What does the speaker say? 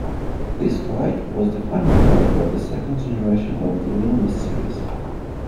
This flight was the final flight of the second generation of the Luna series.